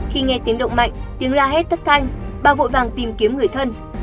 khi nghe tiếng động mạnh tiếng la hét thất thanh bà vội vàng tìm kiếm người thân